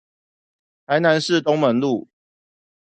臺南市東門路